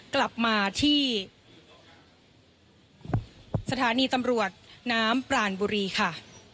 กลับมาที่สถานีตำรวจน้ำปรานบุรีค่ะ